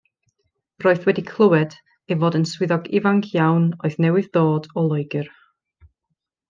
Roedd wedi clywed ei fod yn swyddog ifanc iawn oedd newydd ddod o Loegr.